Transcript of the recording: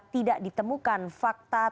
tidak ditemukan fakta